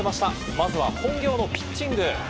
まずは本業のピッチング。